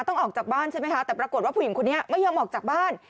ออกจากบ้านใช่ไหมคะแต่ปรากฏว่าผู้หญิงคนนี้ไม่ยอมออกจากบ้าน